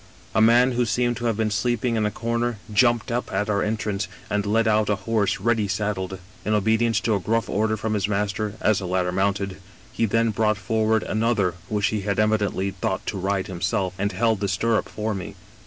" A man who seemed to have been sleeping in a comer jumped up at our entrance, and led out a horse ready saddled. In obedience to a grulBE order from his master, as the latter mounted, he then brought forward another which he had evidently thought to ride himself and held the stirrup for me.